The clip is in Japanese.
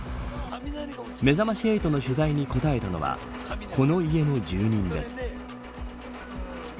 めざまし８の取材に答えたのはこの家の住人です。